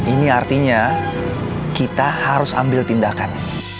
ini artinya kita harus ambil tindakan